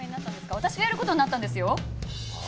私がやる事になったんですよ。